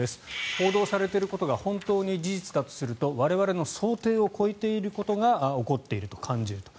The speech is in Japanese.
報道されていることが本当に事実だとすると我々の想定を超えたことが起こっていると感じると。